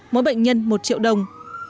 mỗi bệnh nhân một triệu đồng